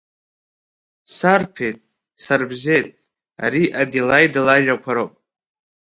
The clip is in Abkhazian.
Сарԥеит, сарбзеит, ари аделаида лажәақәа роуп.